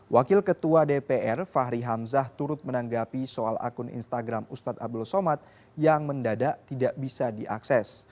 wakil ketua dpr fahri hamzah turut menanggapi soal akun instagram ustadz abdul somad yang mendadak tidak bisa diakses